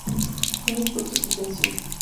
Gracias por tu comprensión.